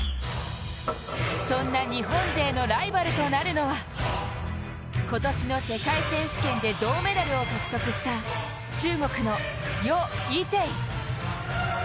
そんな日本勢のライバルとなるのは今年の世界選手権で銅メダルを獲得した中国の余依テイ。